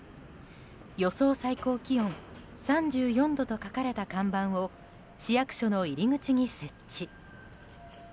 予想最高気温３４度と書かれた看板を市役所の入り口に設置。